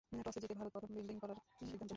টসে জিতে ভারত প্রথমে ফিল্ডিং করার সিদ্ধান্ত নেয়।